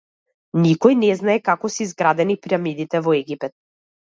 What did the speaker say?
Никој не знае како се изградени пирамидите во Египет.